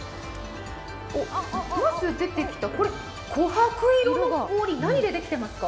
まず出てきた、こはく色の氷、何でできていますか？